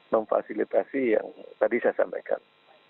memfasilitasi yang tadi saya sampaikan